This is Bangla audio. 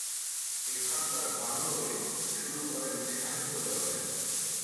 এখানকার বাংলোয় শুরু করেন সাহিত্যচর্চা।